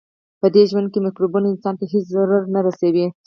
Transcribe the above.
پدې ژوند کې مکروبونه انسان ته هیڅ ضرر نه رسوي.